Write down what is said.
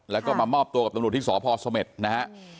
แล้วก็มามอบตัวกับตำรวจที่สพสเม็ดนะฮะ